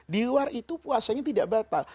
di luar itu puasanya tidak batal